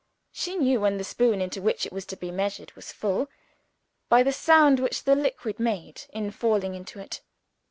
She knew when the spoon into which it was to be measured was full, by the sound which the liquid made in falling into it.